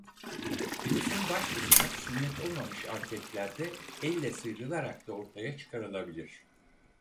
Penisin baş kısmı sünnet olmamış erkeklerde elle sıyrılarak da ortaya çıkarılabilir.